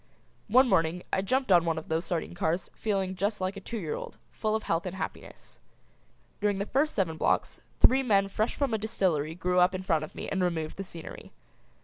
One morning I jumped on one of those sardine cars feeling just like a two year old, full of health and happiness. During the first seven blocks three men fresh from a distillery grew up in front of me and removed the scenery.